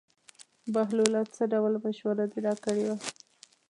بهلوله څه ډول مشوره دې راکړې وه.